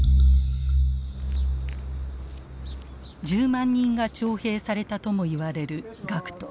１０万人が徴兵されたともいわれる学徒。